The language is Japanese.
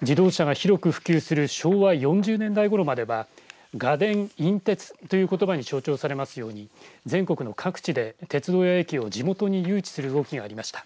自動車が広く普及する昭和４０年代ごろまでは我田引鉄ということばに象徴されますように全国の各地で鉄道や駅を地元に誘致する動きがありました。